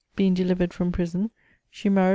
Being delivered from prison, she married M.